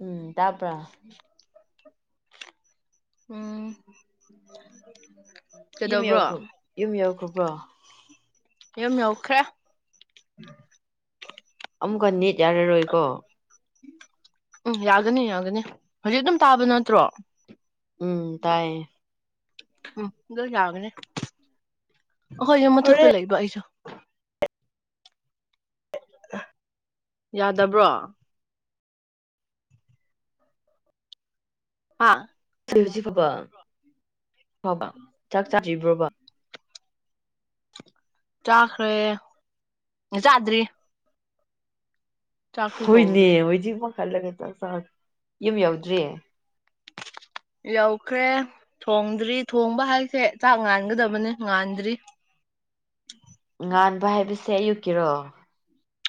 ꯎꯝ ꯇꯄ꯭ꯔꯥ ꯎꯝ ꯌꯨꯝ ꯀꯩꯗꯧꯕ꯭ꯔꯣ ꯌꯥꯎꯈ꯭ꯔꯨꯞꯕ ꯌꯨꯝ ꯌꯥꯎꯈ꯭ꯔꯣꯕ ꯋꯥ ꯏ ꯅꯧꯈ꯭ꯔ ꯑꯃꯨꯛꯀ ꯅꯅꯤꯠ ꯌꯥꯔꯔꯣꯏꯀꯣ ꯎꯝ ꯌꯥꯒꯅꯤ ꯌꯥꯒꯅꯤ ꯍꯧꯖꯤꯛ ꯑꯗꯨꯝ ꯇꯥꯕ ꯅꯠꯇ꯭ꯔꯣ ꯎꯝ ꯇꯥꯏꯌꯦꯦ ꯎꯝ ꯑꯗꯨꯗ ꯌꯥꯒꯅꯦ ꯍꯣꯏ ꯌ ꯃꯊꯛꯇ ꯂꯩꯕ ꯑꯩꯁꯨ ꯌꯥꯗꯕ꯭ꯔꯣ ꯍꯥ ꯐ ꯍꯧꯖꯤ ꯐꯕ ꯐꯕ ꯆꯥꯛ ꯆꯥ꯭ꯔꯤꯕ꯭ꯔꯣꯕ ꯆꯥꯈ꯭ꯔꯦ ꯆꯥꯗ꯭ꯔꯤ ꯆꯥꯛꯁꯨ ꯍꯣꯏꯅꯦ ꯊꯣꯡꯗ꯭ꯔꯤ ꯍꯣꯏꯗꯤ ꯈꯜꯂꯒꯦ ꯆ ꯆ ꯌꯨꯝ ꯌꯧꯗ꯭ꯔꯤꯌꯦ ꯌꯧꯈ꯭ꯔꯦ ꯊꯣꯡꯗ꯭ꯔꯤ ꯊꯣꯡꯕ ꯍꯥꯏꯁꯦ ꯆꯥꯛ ꯉꯥꯟꯒꯗꯕꯅꯤ ꯉꯥꯟꯗ꯭ꯔꯤ ꯉꯥꯟ ꯕ ꯍꯥꯏꯕꯁꯦ ꯑꯌꯨꯛꯀꯤꯔꯣ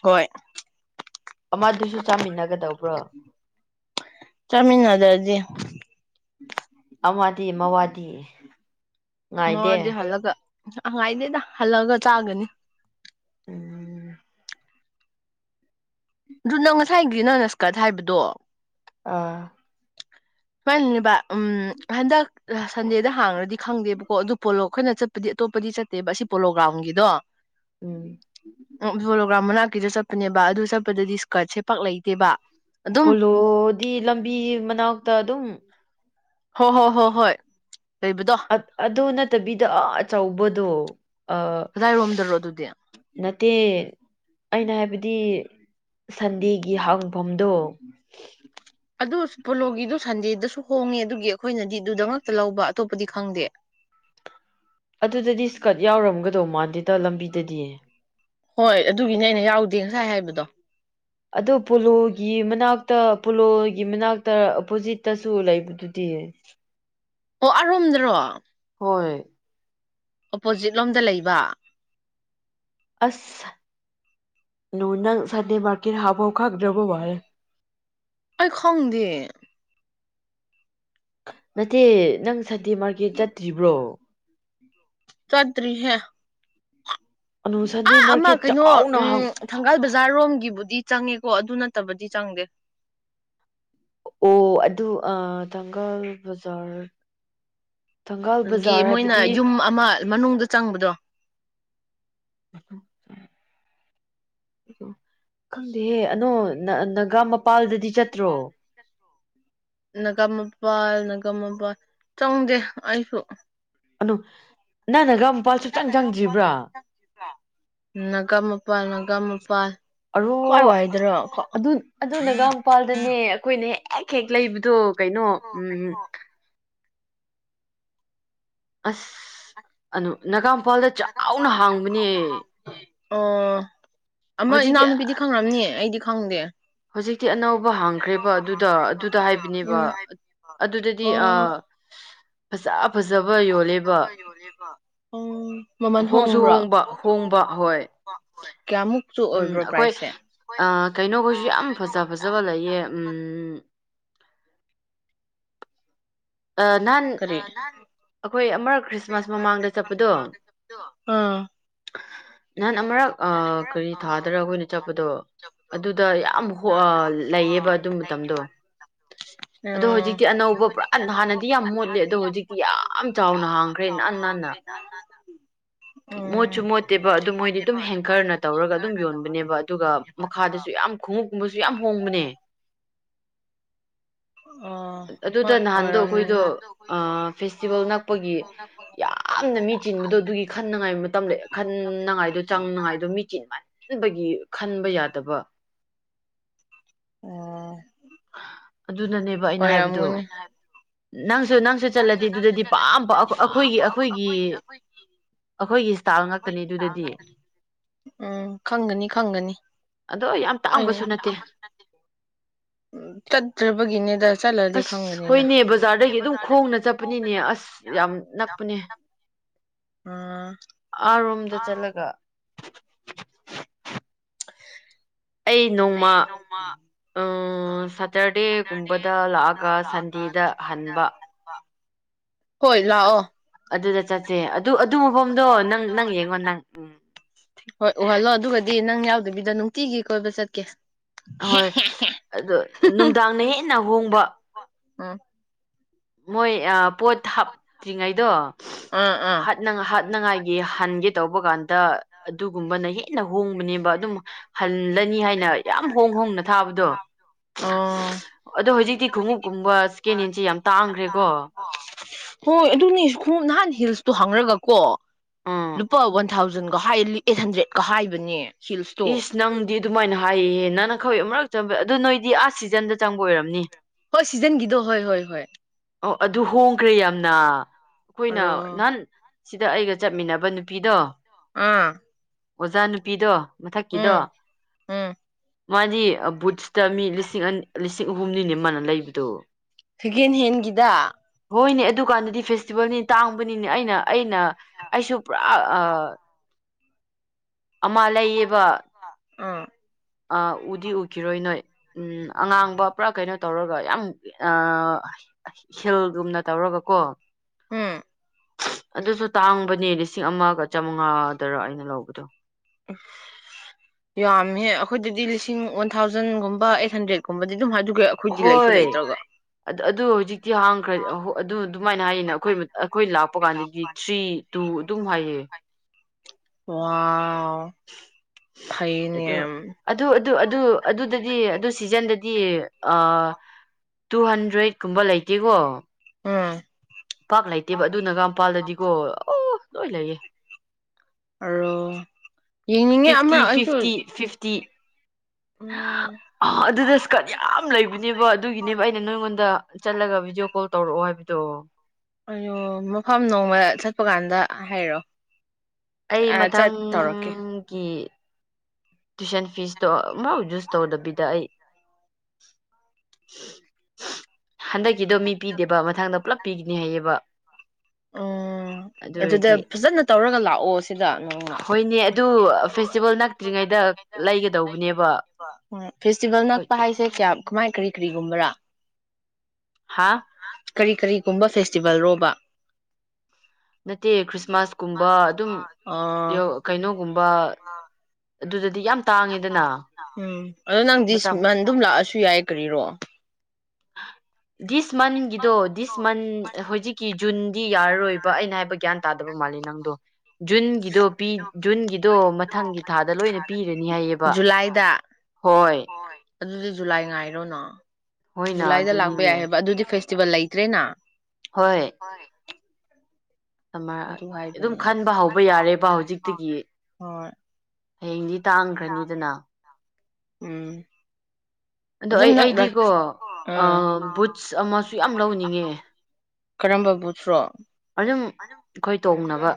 ꯍꯣꯏ ꯑꯃꯗꯨꯁꯨ ꯆꯥꯃꯤꯟꯅꯒꯗꯧꯕ꯭ꯔꯣ ꯆꯃꯤꯅ ꯅꯖꯔꯗꯤ ꯑꯋꯥꯗꯤ ꯃꯋꯥꯗꯤ ꯉꯥꯏꯗꯦ ꯃꯗꯤ ꯍꯜꯂꯒ ꯉꯥꯏꯗꯦꯗ ꯍꯜꯂꯛꯑꯒ ꯆꯥꯒꯅꯤ ꯎꯝ ꯑꯗꯨ ꯅꯪ ꯉꯁꯥꯏꯒꯤ ꯅꯪ ꯅꯁꯀꯠ ꯍꯥꯏꯕꯗꯣ ꯑꯥ ꯁꯨꯃꯥꯏꯅꯅꯦꯕ ꯎꯝ ꯍꯟꯗꯛ ꯁꯟꯗꯦꯗ ꯍꯥꯡꯉꯗꯤ ꯈꯪꯗꯦꯕꯀꯣ ꯑꯗꯨ ꯄꯣꯂꯣ ꯑꯩꯈꯣꯏꯅ ꯆꯠꯄꯗꯤ ꯑꯇꯣꯞꯄꯗꯤ ꯆꯠꯇꯦꯕ ꯑꯁꯤ ꯄꯣꯂꯣ ꯒ꯭ꯔꯥꯎꯟꯒꯤꯗꯣ ꯎꯝ ꯑꯣꯕꯨꯣ ꯀ꯭ꯔꯍꯃꯅꯥ ꯆꯠꯄꯅꯦꯕ ꯑꯗꯨ ꯆꯞꯄꯗꯗꯤꯀꯠꯦ ꯄꯣꯂꯣꯗꯤ ꯂꯝꯕꯤ ꯃꯅꯥꯛ ꯇ ꯑꯗꯨꯨꯝ ꯍꯣ ꯍꯣ ꯍꯣ ꯍꯣꯏ ꯂꯩꯕꯗꯣ ꯑꯗꯨ ꯅ ꯐꯠꯇꯕꯤꯗ ꯑ ꯑꯆꯧꯕꯗꯣ ꯑ ꯀꯗꯥꯏꯔꯣꯝꯗꯔꯣ ꯑꯗꯨꯗꯤ ꯅꯠꯇꯦ ꯑꯩꯅ ꯍꯥꯏꯕ ꯍꯥꯏꯕꯗꯤ ꯁꯟꯗꯦꯒꯤ ꯍꯥꯡꯐꯝꯗꯣ ꯑꯗꯨ ꯄꯣꯂꯣꯒꯤꯗꯨꯣ ꯁꯟꯗꯦꯗꯁꯨ ꯍꯣꯡꯉꯦ ꯑꯗꯨꯒꯤ ꯑꯩꯈꯣꯏꯅꯗꯤ ꯑꯗꯨꯗ ꯉꯛꯇ ꯂꯧꯕ ꯑꯇꯣꯞꯄꯗꯤ ꯈꯪꯗꯦ ꯑꯗꯨꯗꯗꯤ ꯏꯁꯀꯠ ꯌꯥꯎꯔꯝꯒꯗꯧ ꯃꯥꯟꯗꯦꯗ ꯂꯝꯕꯤꯗꯗꯤꯌꯦ ꯍꯣꯏ ꯑꯗꯨꯒꯤꯅꯦ ꯑꯩꯅ ꯌꯥꯎꯗꯦ ꯉꯁꯥꯏ ꯍꯥꯏꯕꯗꯣ ꯑꯗꯨ ꯄꯣꯂꯣꯒꯤ ꯃꯅꯥꯛꯇ ꯄꯣꯂꯣꯒꯤ ꯃꯅꯥꯛꯇ ꯑꯣꯄꯣꯖꯤꯠꯇꯁꯨ ꯂꯩꯕꯗꯨꯗꯤ ꯑꯣ ꯑꯔꯣꯝꯗ꯭ꯔꯣ ꯍꯣꯏꯣꯏ ꯑꯣꯄꯣꯖꯤꯠ ꯂꯣꯝꯗ ꯂꯩꯕ ꯑꯁ ꯂꯣ ꯅ ꯁꯥꯗꯦ ꯃꯥꯔꯀ ꯍꯥꯥꯕ ꯍꯣ ꯈꯥ ꯗ꯭ꯔꯕꯣꯔꯦ ꯑꯩ ꯈꯪꯗꯤꯦ ꯅꯠꯇꯦ ꯅꯪ ꯁꯇꯤ ꯃꯥꯔꯀꯦꯠ ꯆꯠꯇ꯭ꯔꯤꯕ꯭ꯔꯣ ꯆꯥꯠꯇꯔꯤ ꯍꯥꯏꯦ ꯑꯅꯨ ꯁꯟꯗꯦ ꯑꯥ ꯑꯃ ꯃꯥꯔꯀꯦꯠ ꯀꯩꯅꯣ ꯆꯥꯎꯅ ꯍꯥꯡ ꯎꯝ ꯊꯪꯒꯥꯜꯗ ꯑꯣꯖꯥꯔꯣꯝꯒꯤꯕꯨꯗꯤ ꯆꯪꯉꯦꯀꯣ ꯑꯗꯨ ꯅꯠꯇꯕꯗꯤ ꯆꯪꯗꯦ ꯑꯣ ꯑꯗꯨ ꯊꯥꯡꯒꯥꯜ ꯕꯖꯥꯔ ꯊꯪꯒꯥꯜ ꯑꯗꯒꯤ ꯕꯖꯥꯔ ꯃꯣꯏꯅ ꯍꯥꯏꯕꯗꯤ ꯌꯨꯝ ꯑꯃ ꯃꯅꯨꯡꯗ ꯆꯪꯕꯗꯣ ꯑ ꯈꯪꯗꯦꯍꯦ ꯑꯅꯣ ꯅꯒꯥ ꯃꯄꯥꯜꯗꯗꯤ ꯆꯠꯇ꯭ꯔꯣ ꯅꯒꯥ ꯃꯄꯥꯜ ꯅꯥꯒꯥ ꯃꯄꯥꯜ ꯆꯪꯗꯦ ꯑꯩꯁꯨ ꯅ ꯝ ꯃꯄꯥꯜ ꯁꯨꯆꯪ ꯆꯪꯗ꯭ꯔꯤꯕ꯭ꯔꯥ ꯅꯥꯒꯥ ꯃꯄꯥꯜ ꯅꯥꯒꯥ ꯃꯄꯥꯜ ꯑꯔꯣ ꯀꯥꯏ ꯋꯥꯏꯗꯔ ꯑꯗꯨ ꯑꯗꯨꯅꯒ ꯃꯄꯥꯜꯗꯅꯦ ꯑꯩꯈꯣꯏꯅꯦ ꯍꯦꯛ ꯍꯦꯛ ꯂꯩꯕꯗꯣ ꯀꯩꯅꯣ ꯎꯝ ꯑꯁ ꯑꯅ ꯅꯒꯥꯝ ꯏꯝꯐꯥꯜꯗ ꯆꯥꯎꯅ ꯍꯥꯡꯕꯅꯦ ꯑ ꯑꯃ ꯍꯧꯖꯤꯛꯇꯤ ꯏꯅꯥꯎꯅꯨꯄꯤꯗꯤ ꯈꯪꯈ꯭ꯔꯝꯅꯤ ꯑꯩꯗꯤ ꯈ ꯐꯪꯗꯦ ꯍꯧꯖꯤꯛꯇꯤ ꯑꯅꯧꯕ ꯍꯥꯡꯈ꯭ꯔꯦꯕ ꯑꯗꯨꯗ ꯑꯗꯨꯗ ꯍꯥꯏꯕꯅꯦꯕ ꯎꯝ ꯑꯗꯨꯗꯗꯤ ꯑ ꯐꯁꯞ ꯐꯖꯕ ꯌꯣ ꯃꯃꯜ ꯍꯣꯡꯁꯨ ꯍꯣꯡꯕ꯭ꯔꯥꯃꯨ ꯍꯣꯡꯕ ꯍꯣꯡꯕ ꯍꯣꯏ ꯎꯝ ꯑꯩꯈꯣꯏ ꯀꯩꯅꯣꯈꯩꯁꯨ ꯌꯥꯝ ꯐꯖ ꯐꯖꯕ ꯂꯩꯌꯦ ꯎꯝꯝ ꯅꯍꯥꯟ ꯀꯔꯤ ꯑꯩꯈꯣꯏ ꯑꯃꯔꯛ ꯈ꯭ꯔꯤꯁꯃꯥꯁ ꯃꯃꯥꯡꯗ ꯆꯠꯄꯗꯣ ꯑꯥ ꯅꯍꯥꯟ ꯑꯃꯛ ꯀꯔꯤ ꯊꯥꯗꯔꯒ ꯑꯩꯈꯣꯏꯅ ꯆꯠꯄꯗꯣ ꯑꯗꯨꯗ ꯌꯥꯝ ꯂꯩꯌꯦꯕ ꯑꯗꯨ ꯃꯇꯝꯗꯣ ꯑꯗꯣ ꯍꯧꯖꯤꯛꯇꯤ ꯑꯅꯧꯕ ꯄꯨꯔꯥ ꯗꯤ ꯑꯅꯧꯕ ꯍꯥꯟꯅꯗꯤ ꯄꯨꯔꯥ ꯌꯥꯝ ꯃꯣꯠꯂꯦ ꯑꯗꯣ ꯍꯥꯟꯅꯗꯤ ꯌꯥꯝ ꯍꯧꯖꯤꯛꯇꯤ ꯍꯨꯣꯟꯂꯦ ꯑꯗꯨꯕꯨ ꯌꯥꯝ ꯍꯧꯗꯤꯛ ꯆꯥꯎꯅ ꯀꯌꯥꯝ ꯍꯥꯡꯈ꯭ꯔꯦ ꯅꯥꯟ ꯆꯥꯎꯅ ꯅꯥꯟꯅ ꯍꯥꯡꯈ꯭ꯔꯦ ꯅꯍ ꯃꯣꯠꯁꯨ ꯃꯣꯠꯇꯦꯕ ꯑꯗꯨ ꯃꯣꯏꯗꯤ ꯑꯗꯨꯝ ꯑꯗꯨ ꯍꯦꯡꯀꯔꯅ ꯇꯧꯔꯒ ꯑꯗꯨꯝ ꯌꯣꯟꯕꯅꯦꯕ ꯑꯗꯨꯒ ꯃꯈꯥꯗꯁꯨ ꯌꯥꯝ ꯈꯣꯡꯎꯞꯀꯨꯝꯕꯁꯨ ꯌꯥꯝ ꯍꯣꯡꯕꯅꯦ ꯑꯗꯨꯗ ꯅꯍꯥꯟꯗꯣ ꯑꯩꯈꯣꯏꯗꯣ ꯑ ꯑ ꯐꯦꯁꯇꯤꯚꯦꯜ ꯅꯛꯄꯒꯤ ꯌꯥꯝꯅ ꯃꯤ ꯆꯤꯟꯕꯗꯣ ꯑꯗꯨꯒꯤ ꯍꯣꯏꯔꯝꯈ ꯈꯟꯅꯉꯥꯏ ꯃꯇꯝ ꯂꯩ ꯈꯟꯅꯉꯥꯏꯗꯣ ꯆꯥꯡꯅꯉꯥꯏꯗꯣ ꯃꯤꯦꯆꯤꯟ ꯃꯟꯕꯒꯤ ꯈꯟꯕ ꯌꯥꯗꯕ ꯑꯣ ꯑꯗꯨꯅꯅꯦꯕ ꯑꯩꯅ ꯍꯥꯏꯕꯗꯨꯣ ꯅꯪ ꯅꯁꯨꯂ ꯑꯩꯈꯣꯏꯒꯤ ꯑꯩꯈꯣꯏꯒꯤ ꯑꯩꯈꯣꯏꯒꯤ ꯏꯁꯇꯥꯏꯜ ꯉꯥꯛꯇꯅꯤ ꯑꯗꯨꯗꯗꯤ ꯎꯝ ꯈꯪꯒꯅꯤ ꯈꯪꯒꯅꯤꯠꯇꯦ ꯑꯗꯣ ꯌꯥꯝ ꯇꯥꯡꯕꯁꯨ ꯅꯠꯇꯦ ꯇꯗ꯭ꯔ ꯒꯅꯦꯗ ꯑꯁ ꯍꯣꯏꯅꯦ ꯕꯖꯥꯔꯗꯒꯤ ꯑꯗꯨꯝ ꯈꯣꯡꯅ ꯆꯠꯄꯅꯤꯅꯦ ꯑꯁ ꯌꯥꯝ ꯅꯛꯄꯅꯦ ꯎꯝ ꯑꯔꯣꯝꯗ ꯆꯠꯂꯒ ꯑꯩ ꯅꯣꯡꯃ ꯁꯇꯔꯗꯦꯒꯨꯝꯕꯗ ꯂꯥꯛꯑꯒ ꯁꯟꯗꯦꯗ ꯍꯟꯕ ꯍꯣꯏ ꯂꯥꯛꯑꯣ ꯑꯗꯨꯗ ꯆꯠꯁꯦ ꯑꯗꯨ ꯑꯗꯨ ꯃꯐꯝꯗꯣ ꯅꯪ ꯅꯪ ꯌꯦꯡꯉꯣ ꯅꯪ ꯎꯝ ꯗꯕꯤꯗ ꯅꯨꯡꯇꯤꯒꯤ ꯀꯣꯏꯕ ꯆꯠꯀꯦ ꯍꯣꯏ ꯑꯣ ꯅꯨꯡꯗꯥꯡꯅ ꯍꯦꯟꯅꯍꯣꯡꯕ ꯑꯥ ꯃꯣꯏ ꯑ ꯄꯣꯠ ꯍꯥꯞꯇ꯭ꯔꯤꯉꯩꯗꯣ ꯑꯥ ꯑꯥ ꯍꯥꯠ ꯍꯥꯠꯅꯉꯥꯏꯒꯤ ꯍꯟꯒꯦ ꯇꯧꯕ ꯀꯥꯟꯗ ꯑꯗꯨꯒꯨꯝꯕꯅ ꯍꯦꯟꯅ ꯍꯣꯡꯕꯅꯦꯕ ꯑꯗꯨꯝ ꯍꯂꯅꯤ ꯍꯥꯏ ꯊ ꯑꯣ ꯈꯨꯃ ꯀꯨꯝ ꯏꯁꯀꯤꯟ ꯏ ꯌꯥꯝ ꯇꯥꯡꯈ꯭ꯔꯦꯀꯣ ꯍꯣꯏ ꯑꯗꯨꯅꯦ ꯈꯣꯡꯣꯝ ꯅꯍꯥꯟ ꯍꯤꯜꯁꯇꯣ ꯍꯪꯔꯒ ꯀꯣ ꯎꯝ ꯂꯄꯥꯟ ꯊꯥꯎꯖꯟꯒ ꯍꯥꯏ ꯑꯩꯠ ꯍꯟꯗ꯭ꯔꯦꯗꯀ ꯍꯥꯏꯕꯅꯦ ꯍꯤꯜꯁꯇꯣ ꯏꯁ ꯅꯪꯗꯤ ꯑꯗꯨꯃꯥꯏꯅ ꯍꯥꯏꯍꯦ ꯅꯪꯅ ꯑꯩꯈꯣꯏ ꯑꯃꯛꯛꯇ ꯑꯗꯨꯣ ꯅꯣꯏꯗꯤ ꯑꯥꯁ ꯁꯤꯖꯟꯗ ꯆꯪꯕ ꯑꯣꯏꯔꯝꯅꯤ ꯍꯣꯏ ꯁꯤꯖꯟꯒꯤꯗꯣ ꯍꯣꯏ ꯍꯣꯏ ꯍꯣꯏ ꯑꯣ ꯑꯗꯨ ꯍꯣꯡꯈ꯭ꯔꯦ ꯌꯥꯝꯅ ꯑꯩꯣꯏꯅ ꯑꯔꯣ ꯅꯥꯟ ꯁꯤꯗ ꯑꯩꯒ ꯆꯠꯃꯤꯟꯅꯕ ꯅꯨꯄꯤꯗꯣ ꯑꯥ ꯑꯣꯖꯥ ꯅꯨꯄꯤꯗꯣ ꯃꯊꯛꯀꯤꯗꯣ ꯎꯝ ꯎꯝ ꯃꯥꯗꯤ ꯕꯨꯠꯁꯇ ꯃꯤ ꯂꯤꯁꯤꯡ ꯑ ꯂꯤ ꯑꯍꯨꯝꯅꯤꯅꯦ ꯃꯅ ꯂꯩꯕꯗꯨꯣ ꯍꯒꯦꯟ ꯍꯒꯗ ꯍꯣꯏꯅꯦ ꯑꯗꯨꯀꯥꯟꯗꯗꯤ ꯐꯦꯁꯇꯤꯚꯦꯜꯅꯤ ꯇꯥꯡꯕꯅꯤꯅꯦ ꯑꯩꯅ ꯑꯩꯅ ꯑꯩꯁꯨ ꯄꯨꯔꯥ ꯑꯃ ꯂꯩꯌꯦꯕ ꯑꯥ ꯑ ꯎꯗꯤ ꯎꯈꯤꯔꯣꯏ ꯅꯣꯏ ꯎꯝ ꯑꯉꯥꯡꯕ ꯄꯨꯔꯥ ꯀꯩꯅꯣ ꯇꯧꯔꯒ ꯌꯥꯝ ꯍꯤꯜꯒꯨꯝꯅ ꯇꯧꯔꯒ ꯀꯣ ꯎꯝ ꯑꯗꯨꯁꯨ ꯇꯥꯡꯕꯅꯦ ꯂꯤꯁꯤꯡ ꯑꯃꯒ ꯆꯥꯃꯉꯥꯗꯔ ꯑꯩꯅ ꯂꯧꯕꯗꯣ ꯎ ꯌꯥꯝꯃꯦ ꯑꯩꯈꯣꯏꯗꯗꯤ ꯂꯤꯁꯤꯡ ꯋꯥꯟ ꯊꯥꯎꯖꯟꯒꯨꯝꯕ ꯑꯩꯠ ꯍꯟꯗ꯭ꯔꯦꯗꯀꯨꯝꯕꯗꯤ ꯑꯗꯨꯝ ꯍꯥꯏ ꯍꯣꯏ ꯑꯗꯨ ꯑꯗꯨ ꯍꯧꯖꯤꯛꯇꯤ ꯍꯥꯡꯈ꯭ꯔ ꯑꯗꯨ ꯑꯗꯨꯃꯥꯏꯅ ꯍꯥꯏꯌꯦꯅ ꯑꯩꯈꯣꯏ ꯑꯩꯈꯣꯏ ꯂꯥꯛꯄ ꯀꯥꯟꯗꯗꯤ ꯊ꯭ꯔꯤ ꯇꯨ ꯑꯗꯨꯝ ꯍꯥꯏꯌꯦ ꯋꯥꯎ ꯐꯩꯅꯦ ꯑꯣ ꯑꯗꯨ ꯑꯗꯨ ꯑꯗꯨ ꯑꯗꯨꯗꯗꯤ ꯑꯗꯨ ꯁꯤꯖꯟꯗꯗꯤ ꯑ ꯇꯨ ꯍꯟꯗ꯭ꯔꯦꯠꯀꯨꯝꯕ ꯂꯩꯇꯦꯀꯣ ꯎꯝ ꯄꯥꯛ ꯂꯩꯇꯦꯕ ꯑꯗꯨꯅꯒꯥꯝꯄꯥꯜꯗꯗꯤꯀꯣ ꯑ ꯂꯣꯏ ꯂꯩꯏꯌꯦ ꯑ ꯐꯤꯐꯇꯤ ꯐꯤꯐꯇꯤ ꯐꯤꯐꯇꯤ ꯎꯝ ꯑꯗꯨꯗ ꯏꯁꯀꯔꯠ ꯌꯥꯝ ꯂꯩꯕꯅꯦꯕ ꯑꯗꯨꯒꯤꯅꯦꯕ ꯑꯩꯅ ꯅꯣꯏꯉꯣꯟꯗ ꯆꯠꯂ ꯚꯗꯤꯑꯣ ꯀꯣꯜ ꯇꯧꯔꯛꯑꯣ ꯍꯥꯏꯕꯅꯤ ꯇꯣ ꯑꯣ ꯃꯐꯝ ꯅꯣꯡꯃ ꯆꯠꯄ ꯀꯥꯟꯗ ꯍꯥꯏꯔꯛꯑꯣ ꯑꯩ ꯃꯊꯪꯒꯤ ꯇꯨꯏꯁꯟ ꯐꯤꯁꯇꯣ ꯑꯃꯥꯎ ꯖꯨꯁ ꯇꯧꯗꯕꯤꯗ ꯑꯩ ꯍꯟꯗꯛꯀꯤꯗꯣ ꯃꯤ ꯄꯤꯗꯦꯕ ꯃꯊꯪꯗ ꯄꯨꯂꯞ ꯄꯤꯒꯅꯤ ꯍꯥꯏꯌꯦꯕ ꯑꯣ ꯑꯗꯨ ꯑꯗꯨꯗ ꯑꯣꯏꯔꯗꯤ ꯐꯖꯅ ꯇꯧꯔꯒ ꯂꯥꯑꯣ ꯁꯤ ꯅꯃ ꯍꯣꯏꯅꯦ ꯑꯗꯨ ꯐꯦꯁꯇꯤꯚꯦꯜ ꯅꯛꯇ꯭ꯔꯤꯉꯩꯗ ꯂꯩꯒꯗꯧꯕꯅꯦꯕ ꯎ ꯐꯦꯁꯇꯤꯕꯦꯜ ꯍꯣꯏ ꯅꯛꯄ ꯍꯥꯏꯁꯦ ꯀꯃꯥꯏ ꯀꯔꯤ ꯀꯔꯤꯒꯨꯝꯕꯔꯥ ꯍꯥ ꯀꯔꯤ ꯀꯔꯤꯒꯨꯝꯕ ꯐꯦꯁꯇꯤꯚꯦꯜ ꯔꯣꯕ ꯅꯠꯇꯦ ꯈ꯭ꯔꯤꯁꯃꯥꯁ ꯀꯨꯝꯕ ꯑꯗꯨꯝ ꯑꯣ ꯀꯩꯅꯣ ꯀꯨꯝꯕ ꯑꯗꯨꯗ ꯎꯝ ꯑꯗꯣ ꯅꯪ ꯃꯇꯝ ꯗꯤꯁꯃꯟ ꯑꯗꯨꯝ ꯂꯥꯛꯑꯁꯨ ꯇꯤ ꯌꯥꯏ ꯀꯔꯤꯔꯣ ꯗꯤꯁ ꯃꯟꯒꯤꯗꯣ ꯗꯤꯁꯃꯟ ꯍꯧꯖꯤꯛꯀꯤ ꯖꯨꯟꯗꯤ ꯌꯥꯔꯔꯣꯏꯕ ꯑꯩꯅ ꯍꯥꯏꯕ ꯒ꯭ꯌꯥꯟ ꯇꯥꯗꯕ ꯃꯥꯜꯂꯦ ꯅꯪꯗꯣ ꯖꯨꯟꯒꯤꯗꯣ ꯖꯨꯟꯒꯤꯗꯣ ꯃꯊꯪꯒꯤ ꯊꯥꯗ ꯂꯣꯏꯅ ꯄꯤꯔꯅꯤ ꯍꯥꯏꯌꯦꯕ ꯖꯨꯂꯥꯏꯗ ꯍꯣꯏ ꯑꯗꯨꯗꯤ ꯖꯨꯂꯥꯏ ꯉꯥꯏꯔꯣꯅꯣ ꯍꯣꯏꯅ ꯖꯨꯂꯥꯏꯗ ꯂꯥꯛꯄ ꯑꯗꯨꯅꯤꯅꯦ ꯌꯥꯏꯑꯕ ꯑꯗꯨꯗꯤ ꯐ ꯆꯕꯂ ꯏꯗ꯭ꯔꯦꯅ [unintelligible] ꯍꯣꯏ ꯑꯃ ꯑꯗꯨ ꯑꯗꯨꯝ ꯍꯥꯏꯕꯅꯤꯅ ꯈꯟꯕ ꯍꯧꯕ ꯌꯥꯔꯦꯕ ꯍꯧꯖꯤꯛꯇꯒꯤ ꯍꯣꯏ ꯍꯌꯦꯡꯗꯤꯠ ꯇꯥꯡꯈ꯭ꯔꯅꯤꯗꯅ ꯎꯝ ꯑꯗꯣ ꯑꯗꯨꯝ ꯑꯩ ꯅꯛꯔ ꯑꯩꯗꯤꯀꯣ ꯎꯝ ꯕꯨꯠꯁ ꯑꯃꯁꯨ ꯌꯥꯝ ꯂꯧꯅꯤꯡꯉꯦ ꯀꯔꯝꯕ ꯕꯨꯠꯁꯔꯣ ꯑꯗꯨꯝ ꯑꯩꯈꯣꯏ ꯇꯣꯡꯅꯕ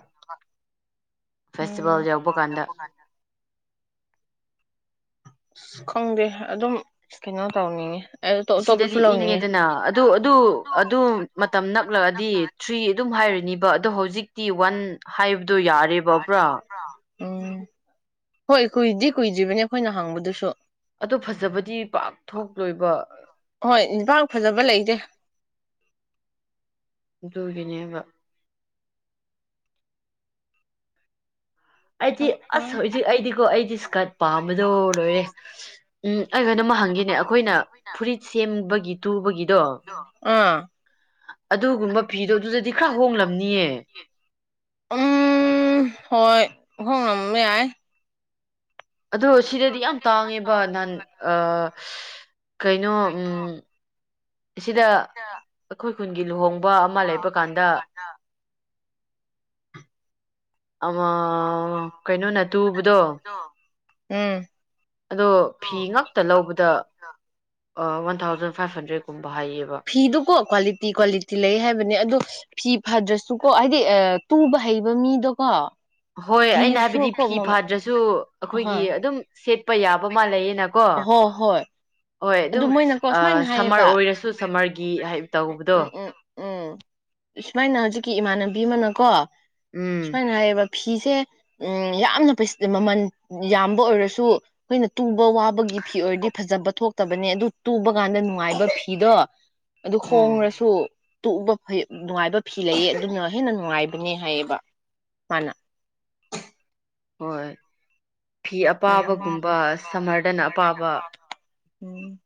ꯎꯝ ꯐꯦꯁꯇꯤꯚꯦꯜ ꯌꯧꯕ ꯀꯥꯟꯗ ꯑꯁ ꯈꯪꯗꯦ ꯑꯗꯨꯝ ꯀꯩꯅꯣ ꯇꯧꯅꯤꯡꯉꯤ ꯑꯁꯤꯗꯗꯤ ꯏꯪꯉꯦꯗꯅ ꯑꯗꯨ ꯑꯗꯨ ꯑꯗꯨ ꯃꯇꯝ ꯅꯛꯂꯛꯑꯗꯤ ꯊ꯭ꯔꯤ ꯑꯗꯨꯝ ꯍꯥꯏꯔꯅꯤꯕ ꯑꯗꯣ ꯍꯧꯖꯤꯛ ꯇꯤ ꯋꯥꯟ ꯍꯥꯏꯕ ꯗꯨ ꯌꯥꯔꯦꯕ ꯎꯝ ꯍꯣꯏ ꯀꯨꯏꯗꯤꯦ ꯀꯨꯏꯗ꯭ꯔꯤꯕꯅꯤ ꯑꯩꯈꯣꯏꯅ ꯍꯥꯡꯕꯗꯨꯁꯨ ꯑꯗꯣ ꯐꯖꯕꯗꯤ ꯄꯥꯛ ꯊꯣꯛ ꯂꯣꯏꯕ ꯍꯣꯏ ꯄꯥꯛ ꯐꯖꯕ ꯂꯩꯇꯦ ꯑꯗꯨꯒꯤꯅꯦꯕ ꯑꯩꯗꯤ ꯑꯁ ꯍꯧꯖꯤꯛ ꯑꯩꯗꯤꯀꯣ ꯑꯩꯗꯤ ꯏꯁꯀꯔꯠ ꯄꯥꯝꯕꯗꯣ ꯂꯣꯏꯔꯦ ꯎꯝ ꯑꯩ ꯀꯩꯅꯣꯝꯃꯥ ꯍꯪꯒꯦꯅꯦ ꯑꯈꯣꯏꯅ ꯐꯨꯔꯤꯠ ꯁꯦꯝꯕꯒꯤ ꯇꯨꯕꯒꯤꯗꯣ ꯑꯥ ꯑꯗꯨꯒꯨꯝꯕ ꯐꯤꯗꯣ ꯑꯗꯨꯗꯗꯤ ꯈꯔ ꯍꯣꯡꯂꯝꯅꯤꯌꯦ ꯎꯝ ꯍꯣꯏ ꯍꯣꯡꯉꯝꯕ ꯌꯥꯢ ꯑꯗꯣ ꯁꯤꯗꯗꯤ ꯌꯥꯝ ꯇꯥꯡꯉꯦꯕ ꯅꯍꯥꯟ ꯑ ꯀꯩꯅꯣ ꯎꯝ ꯑꯁꯤꯗ ꯑꯩꯈꯣꯏ ꯈꯨꯟꯒꯤ ꯂꯨꯍꯣꯡꯕ ꯑꯃ ꯂꯩꯕ ꯀꯥꯟꯗ ꯑ ꯀꯩꯅꯣꯅ ꯇꯨꯕꯗꯣ ꯎꯝ ꯑꯗꯣ ꯐꯤ ꯉꯥꯛꯇ ꯂꯧꯕꯗ ꯋꯥꯟ ꯊꯥꯎꯖꯟ ꯐꯥꯏꯚ ꯍꯟꯗ꯭ꯔꯦꯠ ꯐꯤꯗꯨꯀꯣ ꯀ꯭ꯋꯥꯂꯤꯇꯤ ꯀ꯭ꯋꯥꯂꯤꯇꯤ ꯂꯩ ꯍꯥꯏꯕꯅꯦ ꯑꯗꯣ ꯐꯤ ꯐꯗ꯭ꯔꯁꯨꯀꯣ ꯍꯥꯏꯗꯤ ꯇꯨꯕ ꯍꯩꯕ ꯃꯤꯗꯣꯀꯣ ꯍꯣꯏ ꯑꯩꯅ ꯍꯥꯏꯕꯗꯤ ꯐꯤꯁꯨꯀꯣ ꯐꯤ ꯃꯃꯜ ꯐꯥꯗ꯭ꯔꯁꯨ ꯍꯥ ꯑꯩꯈꯣꯏꯒꯤ ꯑꯗꯨꯝ ꯆꯄ ꯌꯥꯕ ꯃꯥꯜꯂꯌꯦꯅꯀꯣ ꯍꯣꯏ ꯍꯣꯏ ꯍꯣꯏ ꯑꯗꯨꯝ ꯑꯗꯨ ꯃꯣꯏꯅꯀꯣ ꯁꯨꯃꯥꯏꯅ ꯁꯝꯃꯔ ꯍꯥꯏꯌꯦꯕ ꯑꯣꯏꯔꯁꯨ ꯁꯝꯃꯔꯒꯤ ꯍꯥꯏ ꯇꯧꯕꯗꯣ ꯎꯝ ꯎꯝ ꯎꯝ ꯁꯨꯃꯥꯏꯅ ꯍꯧꯖꯤꯛꯀꯤ ꯏꯃꯥꯟꯅꯕꯤ ꯑꯃꯅ ꯀꯣ ꯎꯝ ꯁꯅ ꯑꯦꯕ ꯐꯤꯁꯦ ꯌꯥꯝꯅ ꯃꯃꯜ ꯌꯥꯝꯕ ꯑꯣꯏꯔꯁꯨ ꯑꯩꯈꯣꯏꯅ ꯇꯨꯕ ꯋꯥꯕꯒꯤ ꯐꯤ ꯑꯣꯏꯔꯗꯤ ꯐꯖꯕ ꯊꯣꯛꯇꯕꯅꯦ ꯑꯗꯨ ꯇꯨꯕ ꯀꯥꯟꯗ ꯅꯨꯡꯉꯥꯏꯕ ꯐꯤꯗꯣ ꯎꯝ ꯍꯣꯡꯉ꯭ꯔꯁꯨ ꯇꯞꯕꯥꯞꯅ ꯅꯨꯡꯉꯥꯏꯕ ꯐꯤ ꯂꯩꯌꯦ ꯑꯗꯨꯅ ꯍꯦꯟꯅ ꯅꯨꯡꯉꯥꯏꯕ ꯅꯤ ꯍꯥꯏꯌꯦꯕ ꯃꯥꯅ ꯍꯣꯏ ꯐꯤ ꯎꯝ ꯑꯄꯥꯕꯒꯨꯝꯕ ꯁꯝꯃꯔꯗꯅ ꯑꯄꯥꯕ ꯎꯝ